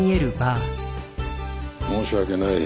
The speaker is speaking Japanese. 申し訳ない。